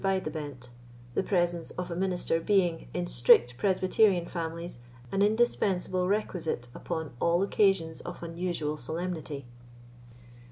Bide the Bent; the presence of a minister being, in strict Presbyterian families, an indispensable requisite upon all occasions of unusual solemnity.